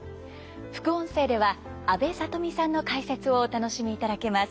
副音声では阿部さとみさんの解説をお楽しみいただけます。